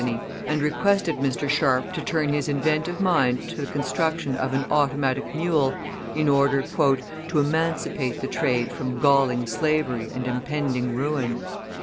and requested Mr. Sharp to turn his inventive mind to the construction of an automatic mule in order "to emancipate the trade from galling slavery and impending ruin."